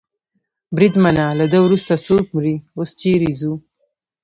بریدمنه، له ده وروسته څوک مري؟ اوس چېرې ځو؟